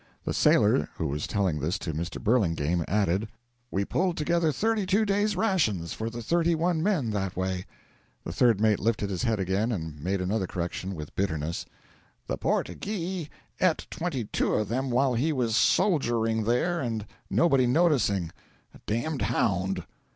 The sailor who was telling this to Mr. Burlingame added: 'We pulled together thirty two days' rations for the thirty one men that way.' The third mate lifted his head again and made another correction with bitterness: 'The "Portyghee" et twenty two of them while he was soldiering there and nobody noticing. A damned hound.'